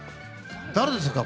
誰ですか？